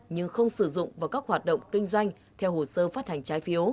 nhưng không sử dụng vào các khu vực